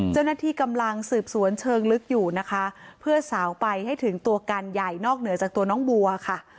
เจ้าหน้าที่กำลังสืบสวนเชิงลึกอยู่นะคะเพื่อสาวไปให้ถึงตัวการใหญ่นอกเหนือจากตัวน้องบัวค่ะ